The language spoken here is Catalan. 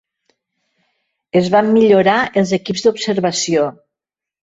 Es van millorar els equips d'observació.